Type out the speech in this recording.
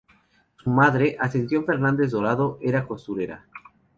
Su madre, Ascensión Fernández Dorado, era costurera.